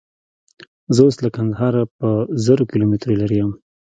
زه اوس له کندهاره په زرو کیلومتره لیرې یم.